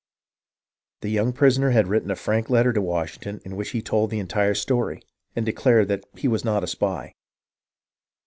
The young prisoner had written a frank letter to Washington in which he told the entire story, and declared that he was not a spy.